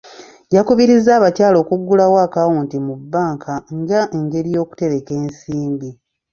Yakubirizza abakyala okuggulawo akawunti mu bbanka nga engeri y'okutereka ensimbi.